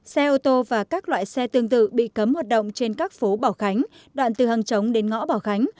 xe ô tô và các loại xe tương tự bị cấm hoạt động trên các phố bảo khánh đoạn từ hàng chống đến ngõ bảo khánh